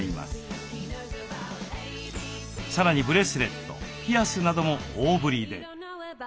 さらにブレスレットピアスなども大ぶりで。